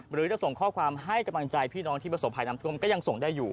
หรือจะส่งข้อความให้กำลังใจพี่น้องที่ประสบภัยน้ำท่วมก็ยังส่งได้อยู่